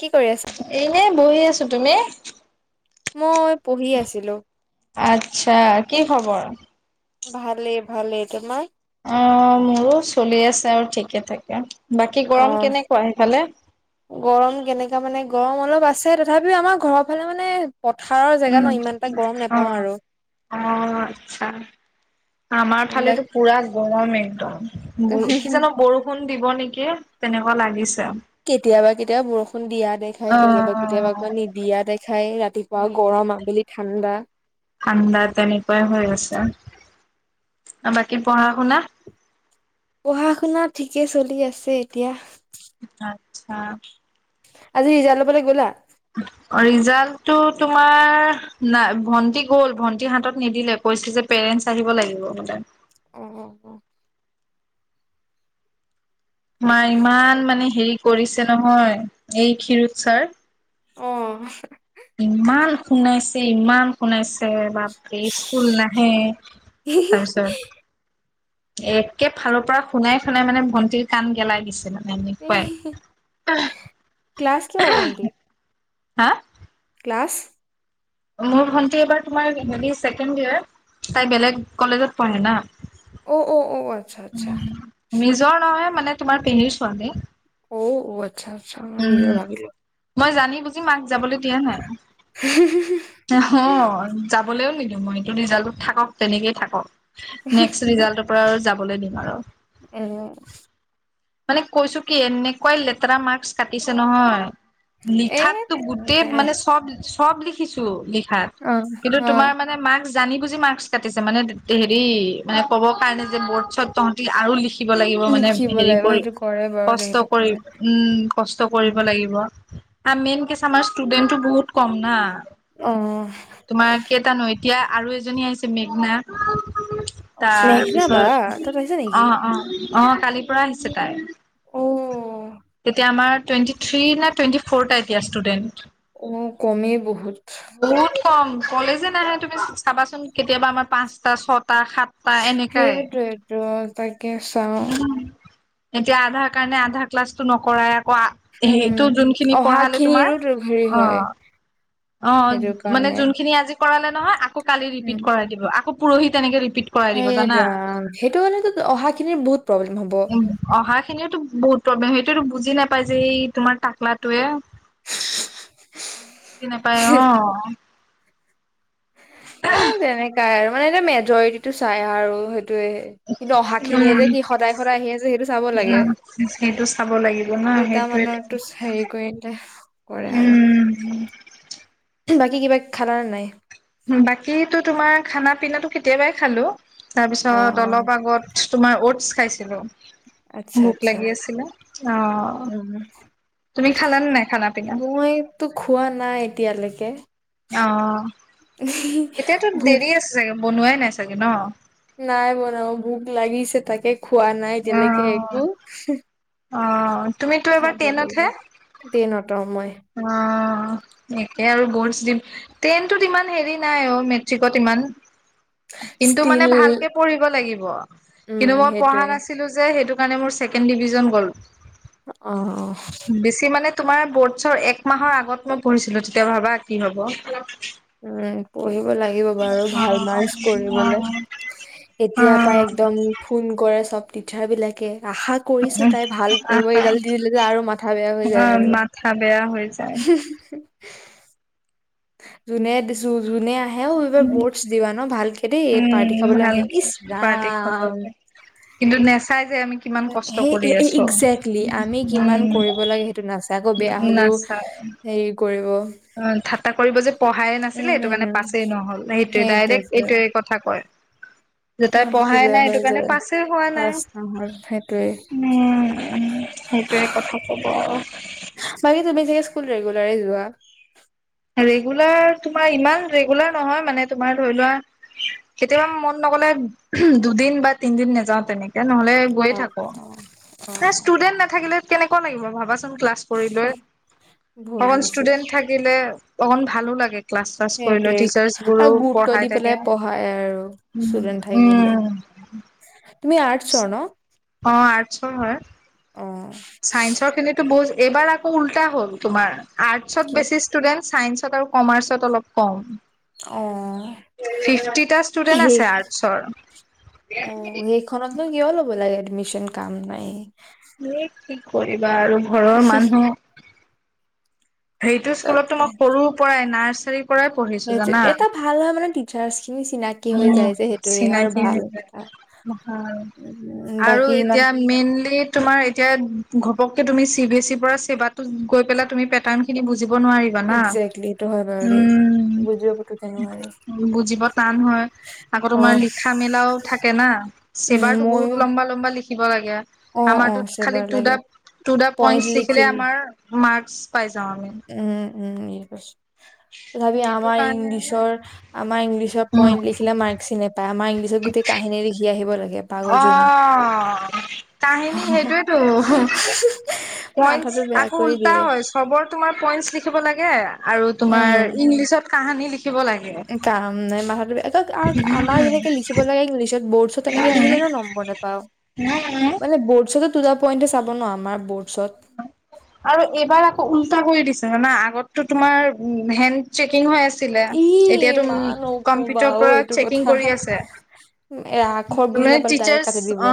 কি কৰি আছা? এনেই বহি আছো, তুমি? মই পঢ়ি আছিলো। আচ্ছা, কি খবৰ? ভালে ভালে, তোমাৰ? অ', মোৰো চলি আছে আৰু ঠিকে থাকে। বাকী গৰম কেনেকুৱা সেইফালে? গৰম কেনেকা মানে গৰম অলপ আছে, তথাপিও আমাৰ ঘৰৰ ফালে মানে পথাৰৰ জেগা উম, ন ইমান এটা গৰম অ, নেপাওঁ আৰু অ, আচ্ছা আমাৰ বাক ফালেতো পুৰা গৰমে'ই। দম কি' জানো বৰষুণ দিব নেকি, তেনেকুৱা লাগিছে। কেতিয়াবা কেতিয়াবা বৰষুণ দিয়া দেখায়, অ কেতিয়াবা কেতিয়াবা আকৌ নিদিয়া দেখাই, ৰাতিপুৱা গৰম, আবেলি ঠাণ্ডা। ঠাণ্ডা তেনেকুৱাই হৈ আছে বাকী, পঢ়া শুনা? পঢ়া শুনা ঠিকে চলি আছে এতিয়া। হা। আজি ৰিজাল্ট ল'বলৈ গ'লা? অ', ৰিজাল্ট টো তোমাৰ নাই, ভন্টি গ'ল, ভন্টি হাত'ত নিদিলে কৈছে যে' পেৰেচণ্ট আহিব লাগিব মানে। অ', অ', অ'। মা' ইমান তাকে। মানে হেৰি কৰিছে নহয়। এই ক্ষীৰোদ ছাৰ। অ'। ইমান শুনাইছে, ইমান শুনাইছে বাপ ৰে স্কুল নাহে, তাৰপিছত এ'কে ফালৰ পৰা শুনাই শুনাই মানে ভণ্টিৰ কাণ গেলাই দিছে মানে। এনেকুৱাই ক্লাছ কিহৰ ভন্তি? হা? ক্লাছ? মোৰ ভন্টি এবাৰ তোমাৰ হেৰি ছেকেণ্ড ডিয়েৰ, তাই বেলেগ কলেজত পঢ়ে না। অ অ অ অ। আচ্ছা, আচ্ছা। নিজৰ নহয় মানে, তোমাৰ পেহীৰ ছোৱালী। অ অৱেত আচ্ছা, আচ্ছা উম নিজৰে ভাবি লো। মই জানি বুজ মাক যাবলৈ দিয়া নাই। এ হয় যাব কলেও নিদিওঁ মই, এইটো ৰিজাল্ট টো থাক'ক তেনেকেই থাক'ক। নেক্স ৰিজাল্টৰ পৰা- যাবলৈ দিম আৰু। [unintelligible] মানে কৈছো কি' এনেকুৱাই লেতেৰা মাৰ্কচ- কাটিছে নহয়। এ লিখাত টো গোটেই তেনেকাই মানে, চব- চব লিখিছো ল [unintelligible] অ কিন্তু অ তোমাৰ মানে মাৰ্ক্স জানি বুজি মাৰ্ক্স কাটিছে মানে হেৰি মানে ক'ব কাৰণে যে বৰ্ত চত তহঁতি আৰু লি থাকিব লাগিব মানে লিখিব হেৰি লাগিব কৰি সেইটো কৰে বাৰু দে কষ্ট সেইটো কৰি কৰে উম। কষ্ট উম। কৰিব লাগিব। আৰু মেইন কেছ আমাৰ ষ্টুডেন্তটটো বহুত কম না। অ তোমাৰ কেইটা নৈ এতিয়া আৰু এজনী আহিছে মেঘনা মেঘনা বা তাৰপিছত তত আহিছা অ নেকি অ। অ কালিৰ পৰা আহিছে তাই। অ এতিয়া আমাৰ টুৱেণ্টি থ্ৰী নাই টুৱেণ্টি ফৰ টা এতিয়া ষ্টুডেন্ট অ কমেই বহুত বহুত কম। কলেজে নাহে তুমি চাবাচোন কেতিয়াবা আমাৰ পাঁচটা চত সাতটা সাতটা এনেকাই। কেছাওঁ উম, এতিয়া আধাৰ কাৰণে আধা ক্লাছটো নকৰাই কোৱা সেইটো উম যোনখিনি অহা পঢ়ালে তোমাৰ খিনিৰো তোৰ হেৰি অ। হয় অ, সেইটো মানে কাৰণে যোনখিনি আজি কৰালে নহয়। কালি ৰিপিট কৰাই দিব আকৌ পৰহি তেনেকে ৰিপিট কৰাই এ দিব জানা। ৰাম সেইটো হলে টো অহা খিনিৰ বহুত প্ৰব্লেম হ'ব উম, অহা খিনিটো বহুত প্ৰব্লেম সটো বুজি নাপাই যে এই তোমাৰ তাকলাটোয়ে বুজি নাপায় অ, এ তেনেকাই আৰু। মানে এটা মেজৰিটিটো চাই আৰু সেই স কিন্তু অহা খিনিয়ে উম যে কি সদায় - সদায় আহি আছে সেইটো চাব লাগে উম সেইটো চাব লাগিব ন দুটা সেইটোৱেতো মানৰো হেৰি কৰি এ কৰে আৰু উম বাকী কিবা খালানে নাই? বাকী টো তোমাৰ খানা পিনাটো কেতিয়াবাই খালো। অ তাৰপিছত অ অলপ আগত তুমাৰ অডছ। চাইছিলো। আচ্ছা ভোক আচ্ছা লাগি আছিলে। অ, উম তুমি খালানে নাই খানা পিনা? তিয়ালৈকে অ, অতিয়াটো ভোক দেৰি আছে বনোৱাই নাই। চাগে ন? নাই বনোৱা ভোক লাগিছে তাকে খোৱা নাই অ এতিয়ালেকে একো। অ' তুমিতো এবাৰ খাব লাগিব, টেনতহে টেনত অ' মই। অ' একে আৰু ৰ্ব'ডচ দিম, টেনটো ইমান হেৰি নাই অ' মেট্ৰিকত ইমান কিন্তু ষ্টিল মানে ভালকে পঢ়িব লাগিব। উম কিন্তু মই সেইটোৱে পঢ়া নাছিলো যে সেইটো মানে মোৰ ছেকেণ্ড ডিভিজন গ'ল। অঁ অঁ বেছি মানে তোমাৰ বৰ্ড চ'এক মাহৰ আগত মই পঢ়িছিলো তেতিয়া ভাৱা কি হ'ব। ক্লক ওঁ পঢ়িম। ব লাগিব বাৰু ভাল অ' ৰ্মাক্স কৰিবলে। এতিয়াপাই একদম ফোন কৰে চব টিছাৰবিলাকে। আশা কৰিছো তাই ভাল অ' কৰিব। এইডাল দি দিলে যে আৰু মাথা বেয়া হৈ যায় অ' আৰু। মাথা বেয়া হৈ যায়। উম, হোঁছ হোঁহ- যোনে দিছো। জুনে আহেও এইবাৰ বৰ্ডছ দিবা ন, ভালকে দেই পাৰ্টী খাবলে আহিম। ভালকে ইচ্ছ পাৰ্টি খাব ৰাম! লাগে। কিন্তু নেচাই যে আমি কিমান হে, কষ্ট হেঁ- কৰি হেঁ -হেঁ আছো একজেক্টলি আমি কিমান উম, পঢ়িব লাগে সেইটো নাচায়। আকৌ বেয়া হলেও হেৰি কৰিব। [unintelligible] অঁ ঠাট্টা কৰিব যে, প [unintelligible] নাছিলে, সেইটো উম কাৰণে পাছেই নহ'ল, সেইটোৱে ডাইৰেক্ট সেইটোৱেতো এইটোৱে কথা কয়। যে তাই মাথাটো পঢ়াই বেয়া নাই হৈ সেইটো কাৰণে যায় পাছেই হোৱা নাই, পাছ নহল সেইটোৱে উম, সেইটোয়ে কথা কব। বাকী তুমি চাগে স্কুল ৰেগুলাৰে যোৱা। ৰেগুলাৰ তোমাৰ ইমান ৰেগুলাৰ নহয়, মানে তোমাৰ ধৰি লোৱা, কেতিয়াবা মন নগলে [unintelligible] দুদিন বা তিনদিন নাযাওঁ তেনেকে। এতিয়া নহ'লে গৈ অ থাকো, অ অ ক্লাছ ষ্টুডেণ্ট নাথাকিলে কেনেকুৱা লাগিব ভাৱাচোন ক্লাছ কৰিবলৈ। অকল বুজিছো ষ্টুডেণ্ট থাকিলে। অকণ ভালো লাগে। ক্লাছ- শ্লাছ কৰিলও, সেইটোৱে টিৰ্চাছবোৰো আৰু গুৰুত্ব পঢ়াই দি থাকে। পেলাই পঢ়াই আৰু ষ্টুডেন্ট থাকিলে উম! তুমি আৰ্টছৰ ন? অ', আৰ্টছৰ হয়, অ চাইন্সৰখিনিতো বহুত এইবাৰ আকৌ উল্টা হ'ল তোমাৰ। আৰ্টচত কি বেছি ষ্টুডেণ্ট। ছাইন্সত আৰু কমাৰ্চত অলপ কম। অ', ফিফটিটা ষ্টুডেন্ট হেই আছে আৰ্টছৰ অ', সেইখনতনো কিয় ল'ব লাগে? এডমিচন কাম নাই। [unintelligible] কি কৰি বা আৰু ঘৰৰ মানুহ হেইটো স্কুলত তাতকে তোমাৰ সৰুৰ পৰাই নাৰ্চ [inaudible] সেইটো এটা ভাল হয়, মানে টিচাৰ্চখিনি চিনাকি হৈ উম যায় যে, সেইটোয়ে আৰু চিনাকি ভাল হৈ যায় এটা ভাল উম, আৰু বাকী ইমান এতিয়া মেইনলি তোমাৰ এতিয়া ঘপককে তুমি চি বি এচিৰ পৰা ছেবাতো গৈ পেলাই তুমি পেক [unintelligible] খিনি বুজ বুজিব নোৱাৰিবা না, একজেক্টলি সেইটো হয় বাৰু দেই উম, বুজিব পুতুককে নোৱাৰি বুজিব টান হয়, আকৌ অ তোমাৰ লিখা মেলাও থাকে না, উম চেবাৰটো বহুত ময়ো লম্বা, লম্বা লিখ কিব লাগে অ অ আমাৰটোত খালি চেবাৰ টু দা, লাগে টু দা পইণ্ট পইন্টছ লিখিলে লিখিল আমাৰ মাৰ্ক্স যে [inaudible] উ তথাপি আমাৰ কাৰণে ইংলিছৰ আমাৰ ইংলিছত উম পইন্ট লিখিলে মাৰ্ক চ নোপায় আমাৰ ইংলিছত গোটেই কাহিনী লিখি আহিব লাগে। পাগলজনী। অ' কাহিনী সেইটোয়েতো পইন্টছ মাথাটো বেয়া আকৌ কৰি উল্টা দিয়ে। হয় চবৰ তোমাৰ পইণ্টছ লিখিব লাগে আৰু তোমাৰ ইংলিছত কাহানী লিখ এ কাম নাই মাথাত, একক আক আমাৰ যেনেকে লিখিব লগা ইংলিছত বৰ্ডছত তেনেকে লিখিলে উম নো নম্বৰ নেপাও উম উম মানে বৰ্ড চটোত টো জা পইন্টটো চাব ন আমাৰ বৰ্ড চত আৰু এইবাৰ আকৌ উল্টা কৰি দিছে না আগততো তোমাৰ হেড চেকিং হৈ আছে ছিলে ই এতিয়াটো মা উম নকবা কম্পিউটাৰ অ পৰা এইটো চেকিং কথা। কৰি আছে এ আখৰ বুজি মানে নাপালে ডাইৰেক্ট কাটি দিব।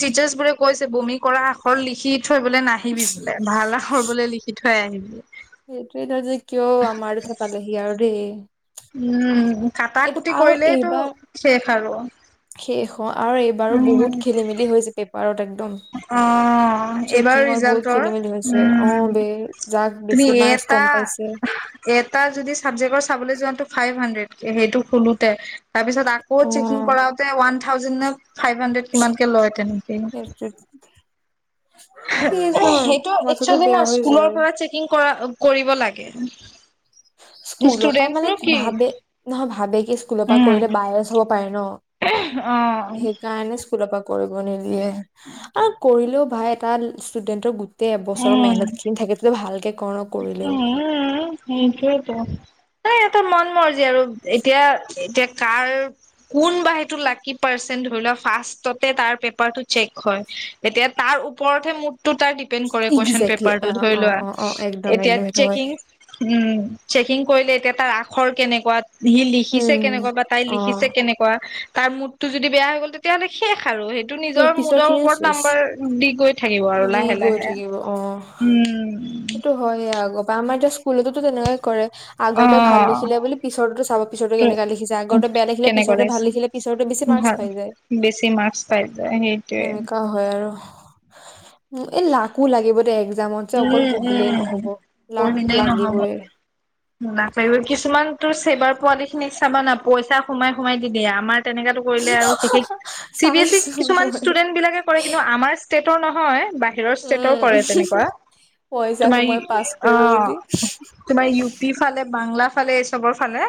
টিচাৰ্ছ বোৰে কৈ আছে বমি কৰা লিখিত থৈবলে নাহিবি ভাল আখৰ বলে লিখি থ থৈ আহিবি সেইটোয়েই তই যে কিয় আমাৰ থপালেহি আৰু দেই উম। কাটা এই কুটি আৰু কৰিলেইটো এইবাৰ শ্বেষ আৰু শেষ আৰু এইবাৰো উম বহুত খেলিমেলি হৈছেগৈ। পাৱাৰ ট্ৰেক অ' এইবাৰ বহুত ৰিজাল্টৰ খেলি মেলি হৈছে অ উম, বে যাক তুমি বেছি মাৰ্কচ এটা কম পাইছে এটা যদি চাবজেক্টৰ চাবলৈ যোৱা। ফাইভ হাড্ৰেড সেইটো খোলোতে। তাৰ পিছত আকৌ অ চেক ইন কৰাওঁতে ওৱান থাউজেণ্ড নে ফাইভ হাড্ৰেড কিমানকে লয় তেনেকেই। ফিজ নহয় সেইটো মাথাটো একচুৱেলি ন বেয়া হৈ স্কুলৰ যায় পৰা চেকিং কৰা। কৰিব লাগে। স্কুলৰ পৰা মানে ষ্টুডেন্টনো কি ভাবে নহয় ভাবে কি স্কুলৰ পৰা কৰিলে উম বাইৰে চ হ'ব পাৰে ন অ সেইকাৰণে স্কুলৰ পৰা। কৰিব নিদিয়ে আৰু কৰিলেও ভাই এটা ই ইষ্টোডেন্টৰ। তে এবছৰৰ মেহনত খিনি থাকে তে ভালকে কৰো। ওম, ওম, [unintelligible] সেইটোৱে এই এইটো মন [unintelligible] আজি আৰু এতিয়া আৰু এতিয়া যেট। কাৰ কোনবা সেইটো লাকি পাৰ্চেন্ ধৰি লোৱা ফাৰ্ষ্টততে তাৰ পেপাৰটো চেক হয়, এতিয়া তাৰ ওপৰত হে মুকটো তাৰ দি দিপেন কৰে কুৱেশ্যন একজেক্টলি পেপাৰ টো অ ধৰি অ লোৱা। অ অ একদম এতিয়া একদম সেইটো হয় চেকিং উম। চেকিং কৰিলে এতিয়া তাৰ আখৰ কেনেকুৱা। সি লিখিছে উম, কেনেকুৱা বা তাই লিখিছে অ', কেনেকুৱা। তাৰ মূৰটো যদি বেয়া হৈ গ'ল তেতিয়াহ'লে শেষ। আৰু সেইটো সেই নিজৰ পিছৰ মুদৰ খিনিও ওপৰত চেচ নাম্বাৰ দি গৈ থাকিব আৰু দি লাহে গৈ লাহে থাকিব উম। হয়য়া গ বা আমাৰ [unintelligible] তেনেকায়ে। কৰে আগতে ভাল অ। লিখিলে বুলি পিছোটো চাব পিছৰ কেনেকা লিখিছে আগতত বেয়া লিখিলে কেনেকুৱা পিছতে ভাল লাগিছে লিখিলে পিছতে বেছি মাৰ্কস ভাল পাই যায় বেছি মাৰ্কচ পাই যায় সেইটোৱে তেনেককাা হয় আৰু। উ লাকো লাগিব দে। এক্মামত যে অকল উম পৰহিলেই উম নহব লাগ লাগিবই। নাছাৱ কিছুমান তো চেবাৰ পোৱালি খিনিক চাবা না পইচা সোমাই সোমাই দি দিয়ে আমাৰ তেনেকাতো কৰিলে আৰু শেষ চি বি এছ ই চাইছো কিছুমান মই। ষ্টুডেন্ট বিলাকে কৰে কিন্তু আমাৰ ষ্টেটৰ নহয়। হয় বাহ হেৰছচেট উম, কৰে তেনেকোৱা পইচা তোমাৰি সোমোৱাই পাছ অ কৰিব বুলি। তোমাৰ ইও বাংলা ফালে এই চবৰ ফালে।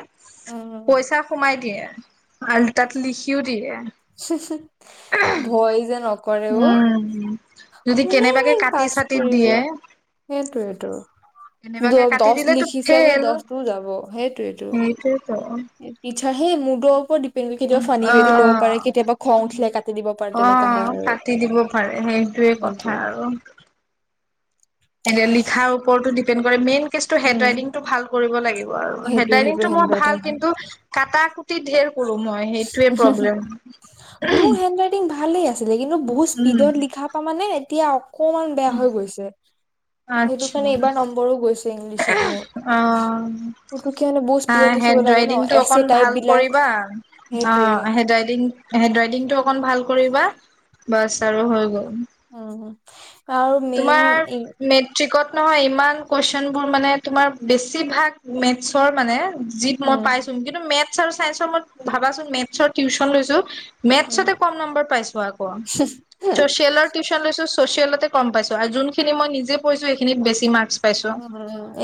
উম, পইচা সোমাই দিয়ে। আলটাত লিখিও দিয়ে। [unintelligible] ভয় যে নকৰেও, উম, যদি কেনেবাকে কোনে কাটি পাছ চাটি কৰিব দিয়ে সেইটোৱেটো, কেনেবাকে দ কাটি দচ দিলেতো লিখিছ সেই বোলে ফেইল দচটোও যাব, সেইটোৱেটো। সেইটোৱেতো এ হে মুডৰ ওপৰত দি অঁ, উঠিলে কাটি দিব পাৰে তেনেকা হয় অঁ, আৰু কাটি দিব পাৰে সেইটোৱে কথা সেইটোৱে আৰু। এতিয়া লিখাৰ [unintelligible] কৰে মেইন কেচটো হেণ্ড উম ৰাইটিং টো ভাল কৰিব লাগিব আৰু হেণ্ড সেইটোৱে ৰাইটিং সেইটো টো মোৰ হেণ্ড ভাল কিন্তু কাটা [unintelligible] ধেৰ উহু হু, মোৰ হেণ্ড ৰাইটিং ভালে আছিলে কিন্তু বহুত উম, স্পীডত লিখা পৰা মানে এতিয়া অকমান বেয়া হৈ গৈছে, সেইটো আচ্ছা কাৰণে এইবাৰ নম্বৰো গৈছে ইংলিছত মোৰ, অ', পোতোক মানে বহুত স্পীডত লিখিব হেড লাগে ন ৰাইডিংটো এচ এ অকন টাইপ ভাল বিলাক। কৰিবা অ সেইটোৱে হেড ৰাইটিং, হেণ্ড ৰাইটিংটো অকন ভাল কৰিবা, বাছ আৰু হৈ গ'ল। অঁ তোমাৰ মেট্ৰিকত নহয় ইমান কুৱেশ্বন বোৰ মানে তোমাৰ বেছিভাগ মেথছৰ মানে বুজি মই উম পাইছো কিন্তু মেট আৰু চায়েঞ্চৰ মই ভাবাচোন মেটছৰ টিউচন লৈছো। মেটচতে কম নম্বৰ পাইছো আকৌ, উম চচিয়েলৰ টিউছন লৈছোঁ চচিয়েলতে কম পাইছো আৰু যোনখিনি মই নিজে পঢ়িছো সেইখিনিত বেছি মাৰ্ক উম,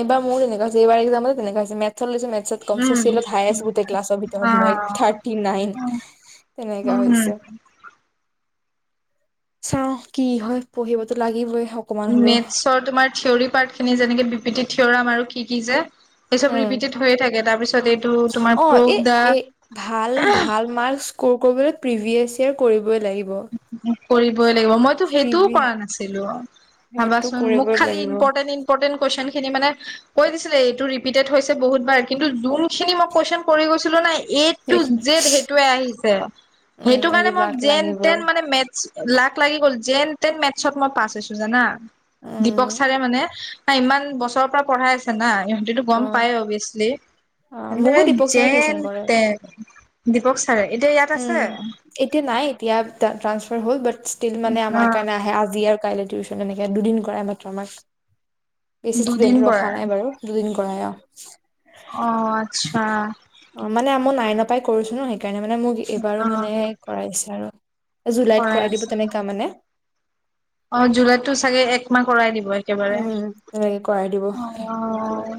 এইবাৰ মোৰো তেনেকুৱা হৈছে, এইবাৰ এক্সামতে তেনেকুৱা হৈছে মেট টিউচন লৈছো মেটচত কম উম চচিলত হায়েষ্ট গোটেই ক্লাছৰ অ ভিতৰত মই থাৰ্টি নাইন, তেনেকা উম হৈছে। চাও কি হয় পঢ়িবতো লাগিবই। অকমান হলেও মেথছৰ তোমাৰ থিয়ৰী পাৰ্ট খিনি যেনেকে বিপি থিয়ৰাম আৰু কি কি যে চব উম, ৰিপিটেড হৈয়ে থাকে তাৰপিছত এইটো তোমাৰ অঁ এ প্ৰুভ দা এ ভাল ভাল মাৰ্ক স্কৰ কৰিবলৈ প্ৰিভিয়েছ য়াৰ কৰিব লাগিব। কৰি। কৰিবই লাগিব মইটো সেইটোও প্ৰিভি কৰা নাছিলো সেইটো ভাবাচোন কৰিবই লাগিব কুৱেশন খিনি মানে, কৈ দিছিলে এইটো ৰিপিটেড হৈছে বহুত বাৰ কিন্তু যোন খিনি মই কুৱেশন কৰি গৈছিলো নাই। এই টু সেইখিনি জেদ সেইটোৱে আহিছে উম সেইটো কাৰণে এইটো মই লাক জেন। লাগিব টেন মানে মেথছ। লাক লাগি গ'ল যেন তেন মেথছত মই পাছ হৈছো জানা। দীপক উম ছাৰে মানে। ইমান বছৰৰ পৰা পঢ়াই আছে না ইিহঁতেতটো গম অ', পায় অভিয়াচলি অ', আৰু মোকো দীপক চাৰে যেন টিউচন কৰে তেন দীপক ছাৰে। এতিয়া ইয়াত আছে উম এতিয়া নাই এতিয়া। ট্ৰান্ফ হ'ল বাট ষ্টিল মানে অ আমাৰ কাৰণে আহে আজি আৰু কাইলে টিউছন এনেকে ইয়াত দুদিন কৰে মাত্ৰ আমাক। বেছি দুদিন ষ্টুডেণ্টটো ৰখা পৰা নাই বাৰু দুদিন কৰাই আৰু। [unintelligible] অ, আচ্ছা। অ, মানে মই নাইন ৰ পৰাই কৰিছো ন সেইকাৰণে মানে মোক এইবাৰো অ মানেহে কৰাইছে। আৰু। জুলাইত কৰাই দিব তেনেককা মানে। অ জুলাইতটো চাগে একমাহ কৰাই দিব। একেবাৰে উম তেনেকে কৰাই দিব। অ ভাল আৰু।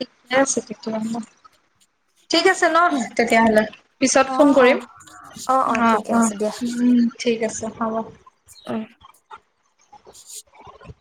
শিকাইছে কিক ল ন [unintelligible] ঠিক আছে ন তেতিয়াহ'লে পিছত ফোন অ', অ', কৰিম, অ অ উ ঠিক আছে। হব। আহ। হয়।